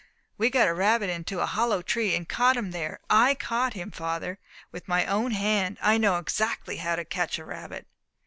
"We got a rabbit into a hollow tree, and caught him there. I caught him, father, with my own hand; I know exactly how to catch a rabbit."